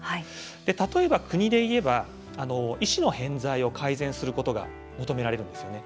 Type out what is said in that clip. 例えば国であれば医師の偏在を改善することが求められるんですね。